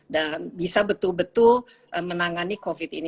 dan bisa betul betul menangani covid ini